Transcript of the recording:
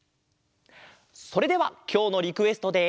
それではきょうのリクエストで。